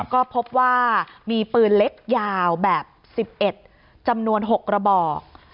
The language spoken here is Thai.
ก็พบว่ามีปืนเล็กยาวแบบ๑๑จำนวน๖กระบอก